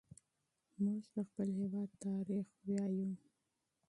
موږ د خپل هېواد تاریخ لولو.